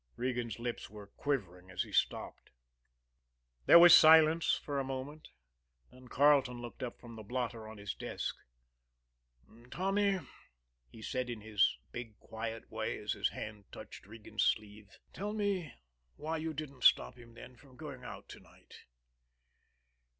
'" Regan's lips were quivering as he stopped. There was silence for a moment, then Carleton looked up from the blotter on his desk. "Tommy," he said in his big, quiet way, as his hand touched Regan's sleeve, "tell me why you didn't stop him, then, from going out to night?"